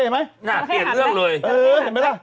ไหนจะหนึ่งนี่อะ